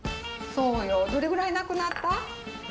そうよどれぐらいなくなった？